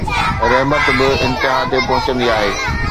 رحمت به انتها تي پهچندي آهي